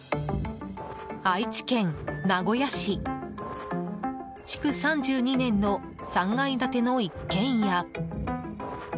愛知県名古屋市築３２年の３階建ての一軒家。